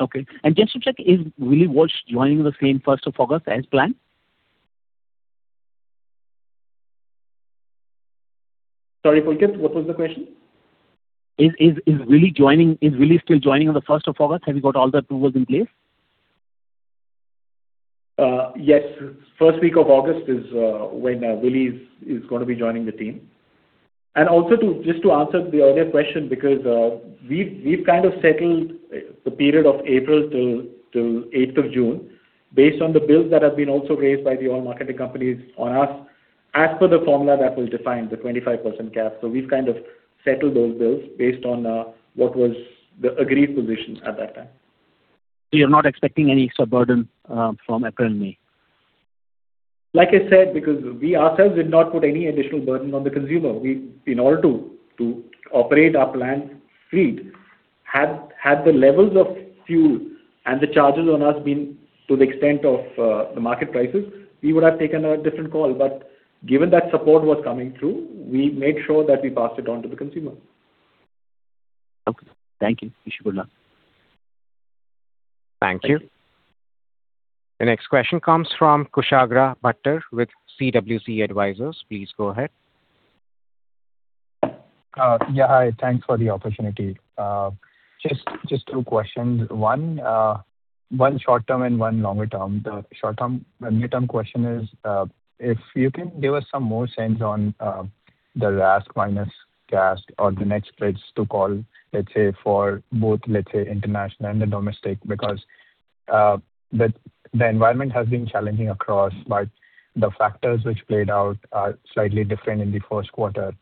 Okay. Just to check, is Willie Walsh joining the same 1st of August as planned? Sorry, Achal, what was the question? Is Willie still joining on the 1st of August? Have you got all the approvals in place? Yes. First week of August is when Willie is going to be joining the team. Also just to answer the earlier question, because we've kind of settled the period of April till 8th of June based on the bills that have been also raised by the oil marketing companies on us as per the formula that was defined, the 25% cap. We've kind of settled those bills based on what was the agreed positions at that time. You're not expecting any extra burden from April and May? Like I said, because we ourselves did not put any additional burden on the consumer. In order to operate our planned fleet, had the levels of fuel and the charges on us been to the extent of the market prices, we would have taken a different call. Given that support was coming through, we made sure that we passed it on to the consumer. Okay. Thank you. Wish you good luck. Thank you. The next question comes from Kushagra Bhattar with CWC Advisors. Please go ahead. Yeah. Hi, thanks for the opportunity. Just two questions. One short-term and one longer-term. The short-term, mid-term question is, if you can give us some more sense on the RASK minus CASK or the net spreads to call, let's say, for both, let's say, international and the domestic, because the environment has been challenging across, but the factors which played out are slightly different in the first quarter.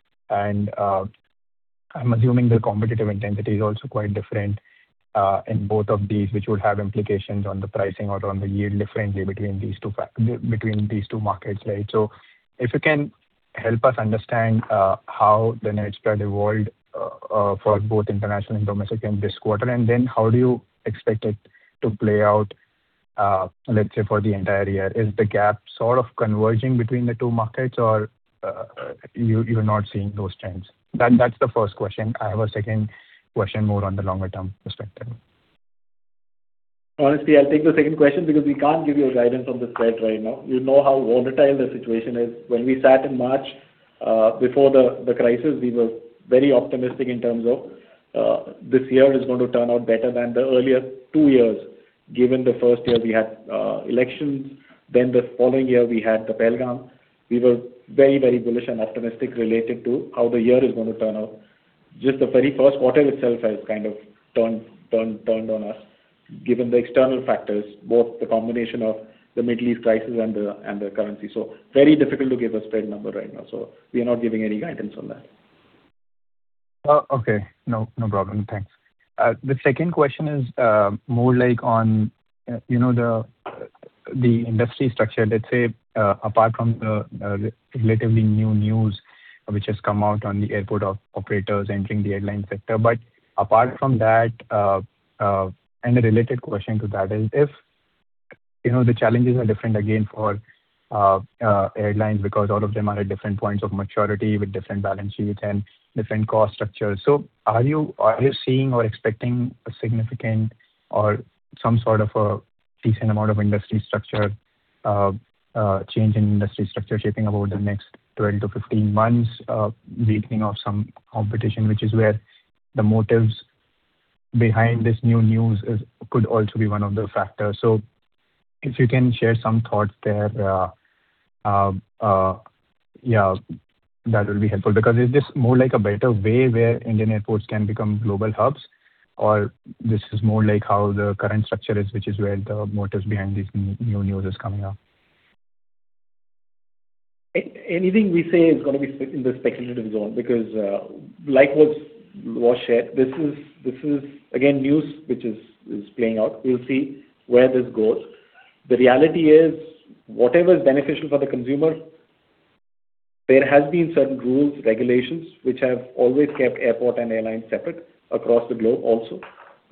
I'm assuming the competitive intensity is also quite different, in both of these, which would have implications on the pricing or on the yield differently between these two markets. Right? If you can help us understand how the net spread evolved for both international and domestic in this quarter, and then how do you expect it to play out, let's say, for the entire year? Is the gap sort of converging between the two markets or you're not seeing those trends? That's the first question. I have a second question more on the longer-term perspective. Honestly, I'll take the second question because we can't give you a guidance on the spread right now. You know how volatile the situation is. When we sat in March, before the crisis, we were very optimistic in terms of this year is going to turn out better than the earlier two years, given the first year we had elections, then the following year, we had Pahalgam. We were very bullish and optimistic related to how the year is going to turn out. Just the very first quarter itself has kind of turned on us, given the external factors, both the combination of the Middle East crisis and the currency. Very difficult to give a spread number right now. We are not giving any guidance on that. Okay. No problem. Thanks. The second question is more like on the industry structure, let's say, apart from the relatively new news which has come out on the airport of operators entering the airline sector. Apart from that, and a related question to that is if the challenges are different again for airlines because all of them are at different points of maturity with different balance sheets and different cost structures. Are you seeing or expecting a significant or some sort of a decent amount of change in industry structure shaping over the next 12-15 months, weakening of some competition, which is where the motives behind this new news could also be one of the factors. If you can share some thoughts there, that would be helpful because is this more like a better way where Indian airports can become global hubs, or this is more like how the current structure is, which is where the motives behind these new news is coming up? Anything we say is going to be in the speculative zone because, like what was shared, this is again, news which is playing out. We'll see where this goes. The reality is, whatever is beneficial for the consumer, there has been certain rules, regulations, which have always kept airport and airlines separate across the globe also.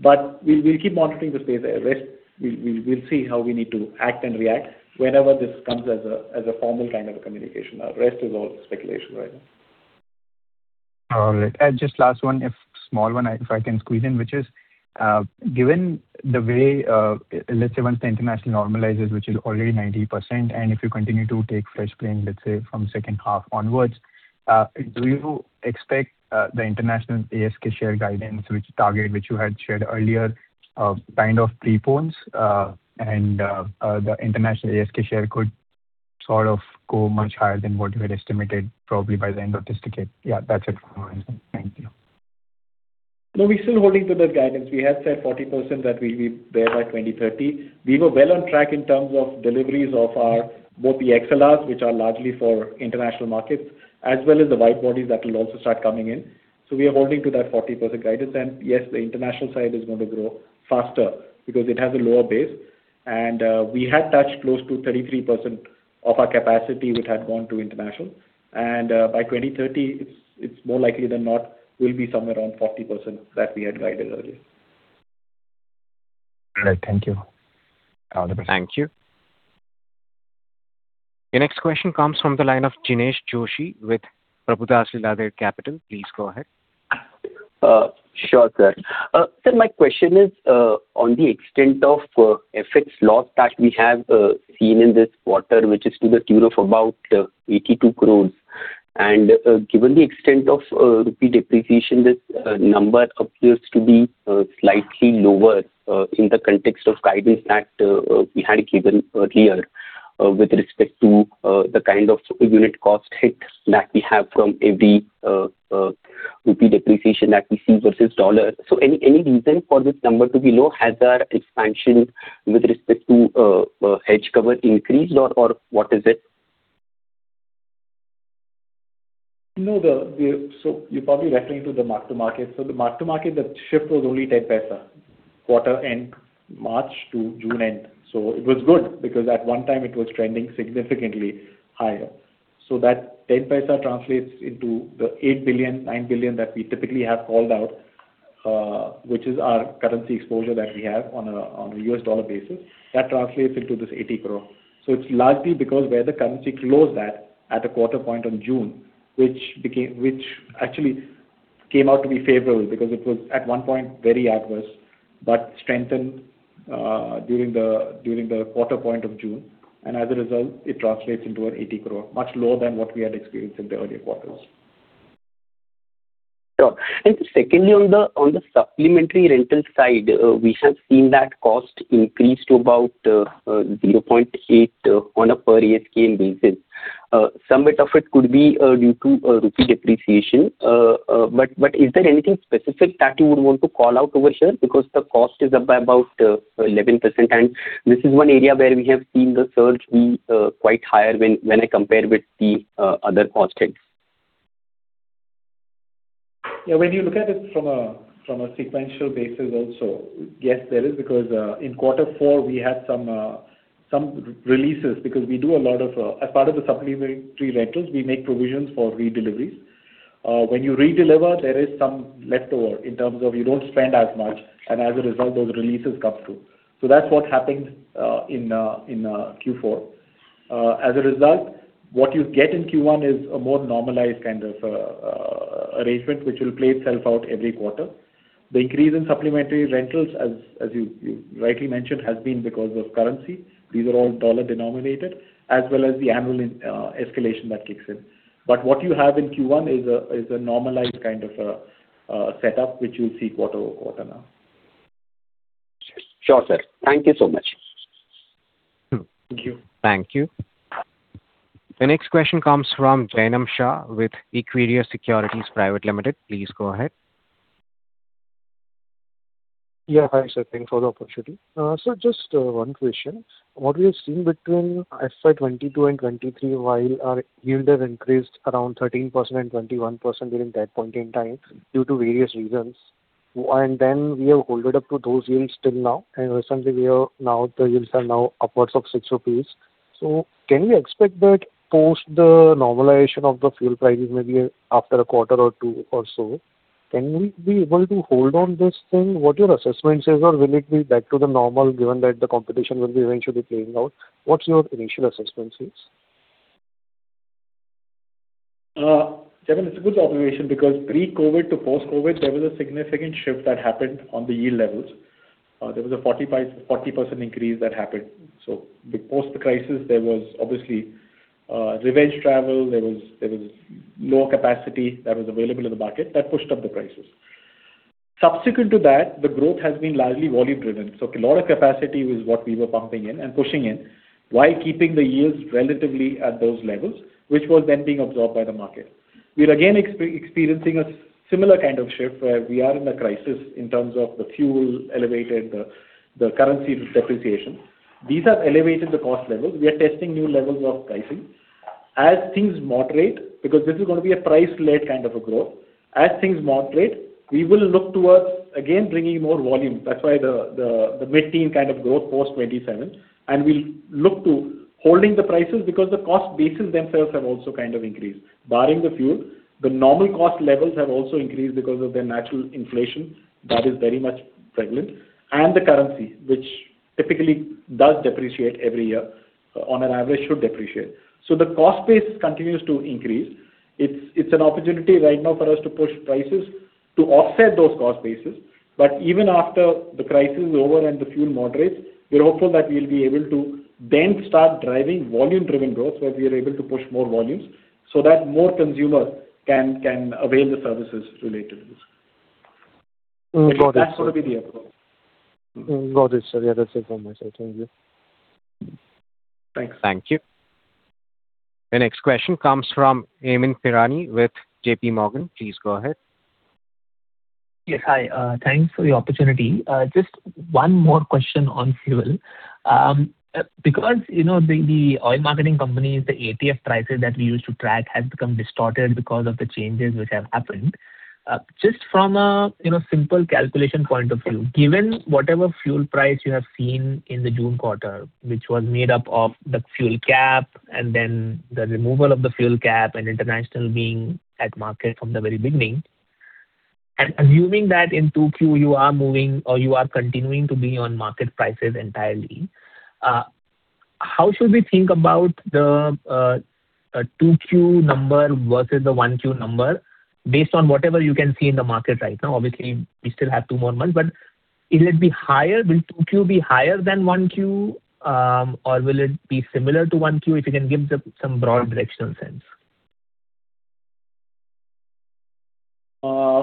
We'll keep monitoring the space there. Rest, we'll see how we need to act and react whenever this comes as a formal kind of a communication. Rest is all speculation right now. All right. Just last one, a small one, if I can squeeze in, which is, given the way, let's say once the international normalizes, which is already 90%, if you continue to take fresh plane, let's say from second half onwards, do you expect the international ASK share guidance which target, which you had shared earlier, kind of pre-pones, and the international ASK share could sort of go much higher than what you had estimated, probably by the end of this decade? Yeah, that's it from my end, sir. Thank you. No, we're still holding to that guidance. We had said 40% that we'll be there by 2030. We were well on track in terms of deliveries of our both the A321XLR, which are largely for international markets, as well as the wide bodies that will also start coming in. We are holding to that 40% guidance. Yes, the international side is going to grow faster because it has a lower base. We had touched close to 33% of our capacity, which had gone to international. By 2030, it's more likely than not, we'll be somewhere around 40% that we had guided earlier. All right. Thank you. Thank you. Your next question comes from the line of Jinesh Joshi with Prabhudas Lilladher Capital. Please go ahead. Sure, sir. Sir, my question is, on the extent of FX loss that we have seen in this quarter, which is to the tune of about 82 crore. Given the extent of rupee depreciation, this number appears to be slightly lower in the context of guidance that we had given earlier with respect to the kind of per unit cost hits that we have from every rupee depreciation that we see versus dollar. Any reason for this number to be low? Has that expansion with respect to hedge cover increased or what is it? No. You're probably referring to the mark-to-market. The mark-to-market, the shift was only 0.10, quarter end March to June end. It was good because at one time it was trending significantly higher. That 0.10 translates into the $8 billion, $9 billion that we typically have called out, which is our currency exposure that we have on a U.S. dollar basis. That translates into this 80 crore. It's largely because where the currency closed at the quarter point on June, which actually came out to be favorable because it was at one point very adverse, but strengthened during the quarter point of June. As a result, it translates into an 80 crore, much lower than what we had experienced in the earlier quarters. Sure. Secondly, on the supplementary rental side, we have seen that cost increase to about 0.8 on a per ASK basis. Some bit of it could be due to INR depreciation. Is there anything specific that you would want to call out over here? Because the cost is up by about 11%, and this is one area where we have seen the surge be quite higher when I compare with the other cost hits. When you look at it from a sequential basis also, yes, there is because in quarter four we had some releases because as part of the supplementary rentals, we make provisions for redeliveries. When you redeliver, there is some leftover in terms of you don't spend as much, and as a result, those releases come through. That's what happened in Q4. As a result, what you get in Q1 is a more normalized kind of arrangement, which will play itself out every quarter. The increase in supplementary rentals, as you rightly mentioned, has been because of currency. These are all dollar denominated, as well as the annual escalation that kicks in. What you have in Q1 is a normalized kind of a setup, which you'll see quarter-over-quarter now. Sure, sir. Thank you so much. Thank you. Thank you. The next question comes from Jainam Shah with Equirus Securities Private Limited. Please go ahead. Yeah, hi, sir. Thanks for the opportunity. Sir, just one question. What we have seen between FY 2022 and 2023, while our yield has increased around 13% and 21% during that point in time due to various reasons, then we have held it up to those yields till now, and recently the yields are now upwards of 6 rupees. Can we expect that post the normalization of the fuel prices, maybe after a quarter or two or so Can we be able to hold on this thing? What your assessment says or will it be back to the normal given that the competition will be eventually playing out? What's your initial assessments is? Jainam, it's a good observation because pre-COVID to post-COVID, there was a significant shift that happened on the yield levels. There was a 40% increase that happened. Post the crisis, there was obviously revenge travel. There was low capacity that was available in the market that pushed up the prices. Subsequent to that, the growth has been largely volume driven. A lot of capacity was what we were pumping in and pushing in while keeping the yields relatively at those levels, which was then being absorbed by the market. We're again experiencing a similar kind of shift where we are in a crisis in terms of the fuel elevated, the currency depreciation. These have elevated the cost levels. We are testing new levels of pricing. As things moderate, because this is going to be a price-led kind of a growth. As things moderate, we will look towards again bringing more volume. That's why the mid-teen kind of growth post 2027. We'll look to holding the prices because the cost bases themselves have also increased. Barring the fuel, the normal cost levels have also increased because of the natural inflation that is very much prevalent. The currency, which typically does depreciate every year, on an average should depreciate. The cost base continues to increase. It's an opportunity right now for us to push prices to offset those cost bases. Even after the crisis is over and the fuel moderates, we're hopeful that we'll be able to then start driving volume-driven growth where we are able to push more volumes so that more consumers can avail the services related to this. Got it. That's going to be the approach. Got it, sir. Yeah, that's it from my side. Thank you. Thanks. Thank you. The next question comes from Amyn Pirani with JPMorgan. Please go ahead. Yes. Hi. Thanks for the opportunity. Just one more question on fuel. Because the oil marketing companies, the ATF prices that we used to track have become distorted because of the changes which have happened. Just from a simple calculation point of view, given whatever fuel price you have seen in the June quarter, which was made up of the fuel cap and then the removal of the fuel cap and international being at market from the very beginning. Assuming that in 2Q you are moving or you are continuing to be on market prices entirely, how should we think about the 2Q number versus the 1Q number based on whatever you can see in the market right now? Obviously, we still have two more months, but will it be higher? Will 2Q be higher than 1Q or will it be similar to 1Q? If you can give some broad directional sense.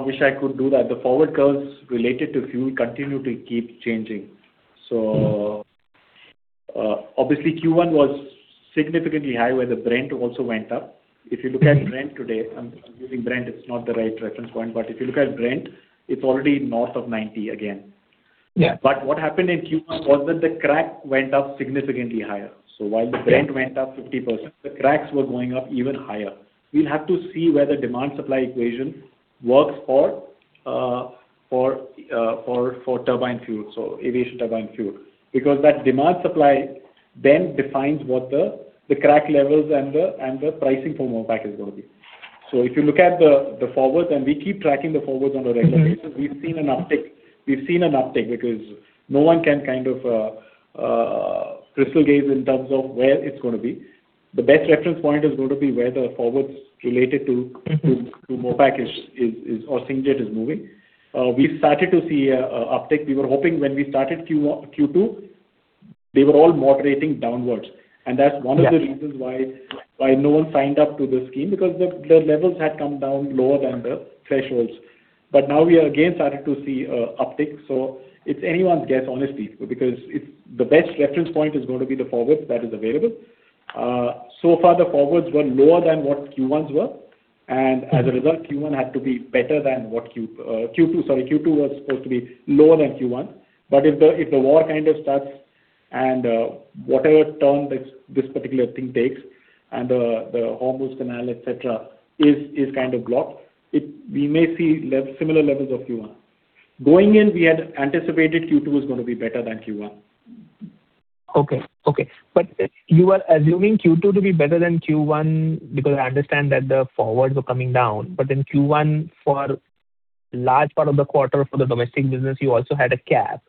Wish I could do that. The forward curves related to fuel continue to keep changing. Obviously Q1 was significantly high where the Brent also went up. If you look at Brent today, I'm using Brent, it's not the right reference point, but if you look at Brent, it's already north of 90 again. Yeah. What happened in Q1 was that the crack went up significantly higher. While the Brent went up 50%, the cracks were going up even higher. We'll have to see whether demand supply equation works for turbine fuel, so aviation turbine fuel, because that demand supply then defines what the crack levels and the pricing for MOPS is going to be. If you look at the forwards, and we keep tracking the forwards on a regular basis. We've seen an uptick because no one can kind of crystal gaze in terms of where it's going to be. The best reference point is going to be where the forwards related to MOPS is or Singapore Jet is moving. We've started to see an uptick. We were hoping when we started Q2 they were all moderating downwards. That's one of the reasons why no one signed up to the scheme because the levels had come down lower than the thresholds. Now we are again starting to see a uptick. It's anyone's guess, honestly, because the best reference point is going to be the forward that is available. Far, the forwards were lower than what Q1's were, and as a result, Q1 had to be better than what Q2, sorry, Q2 was supposed to be lower than Q1. If the war kind of starts and whatever turn this particular thing takes and the Hormuz Canal, et cetera, is kind of blocked, we may see similar levels of Q1. Going in, we had anticipated Q2 is going to be better than Q1. Okay. You are assuming Q2 to be better than Q1 because I understand that the forwards were coming down. In Q1 for large part of the quarter for the domestic business you also had a cap.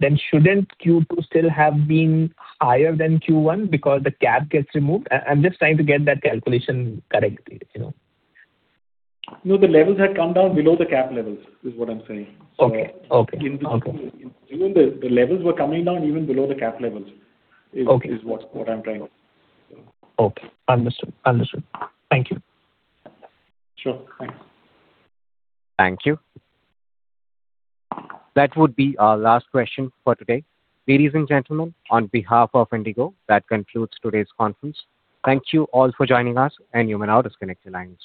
Shouldn't Q2 still have been higher than Q1 because the cap gets removed? I'm just trying to get that calculation correctly. No, the levels had come down below the cap levels is what I'm saying. Okay. Even the levels were coming down even below the cap levels. Okay is what I'm trying to say. Okay, understood. Thank you. Sure. Thanks. Thank you. That would be our last question for today. Ladies and gentlemen, on behalf of IndiGo, that concludes today's conference. Thank you all for joining us, and you may now disconnect your lines.